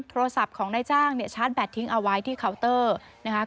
โทรศัพท์ของนายจ้างเนี่ยชาร์จแบตทิ้งเอาไว้ที่เคาน์เตอร์นะคะ